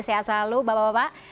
sehat selalu bapak bapak